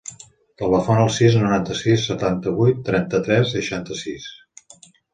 Telefona al sis, noranta-sis, setanta-vuit, trenta-tres, seixanta-sis.